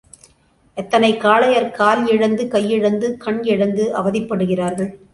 எத்தனை காளையர் கால் இழந்து, கையிழந்து, கண் இழந்து அவதிப்படுகிறார்கள்.